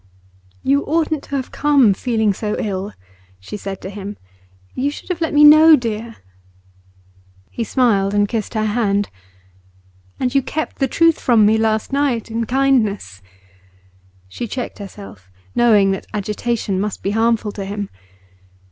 'You oughtn't to have come, feeling so ill,' she said to him. 'You should have let me know, dear.' He smiled and kissed her hand. 'And you kept the truth from me last night, in kindness.' She checked herself, knowing that agitation must be harmful to him.